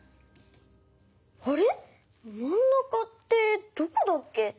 あれまんなかってどこだっけ？